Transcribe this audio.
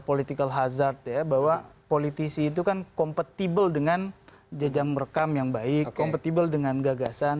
tapi kalau kita lihat persoal politik hazard ya bahwa politisi itu kan compatible dengan jajam rekam yang baik compatible dengan gagasan